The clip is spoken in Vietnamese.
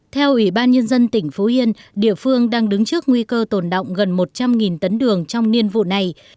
theo ủy ban nhân dân tỉnh phú yên địa phương đang đứng trước nguy cơ tồn động gần một trăm linh tấn đường trong niên vụ này